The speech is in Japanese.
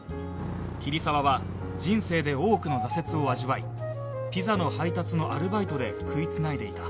桐沢は人生で多くの挫折を味わいピザの配達のアルバイトで食い繋いでいた